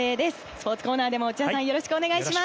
スポーツコーナーでも内田さんよろしくお願いします。